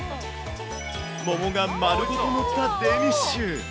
桃がまるごと載ったデニッシュ。